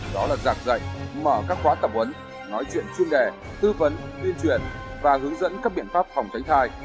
đó là giảng dạy mở các khóa tập huấn nói chuyện chuyên đề tư vấn tuyên truyền và hướng dẫn các biện pháp phòng tránh thai